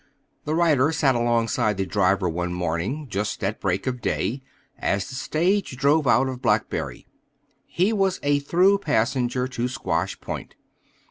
The writer sat alongside the driver one morning, just at break of day, as the stage drove out of Blackberry: he was a through passenger to Squash Point.